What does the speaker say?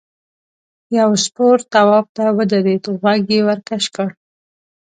یو سپور تواب ته ودرېد غوږ یې ورکش کړ.